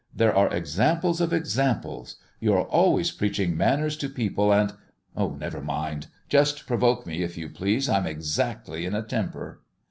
There are examples of examples. You are always preaching manners to people, and . Never mind, just provoke me, if you please. I'm exactly in a temper."